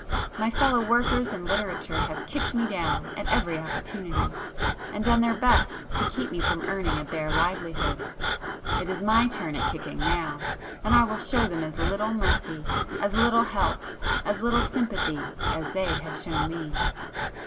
My fellow workers in literature have kicked me down at every opportunity, and done their best to keep me from earning a bare livelihood,—it is my turn at kicking now, and I will show them as little mercy, as little help, as little sympathy as they have shown me!"